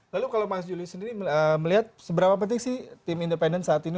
lalu kalau mas juli sendiri melihat seberapa penting sih tim independen saat ini